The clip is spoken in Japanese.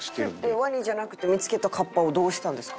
ワニじゃなくて見付けた河童をどうしたんですか？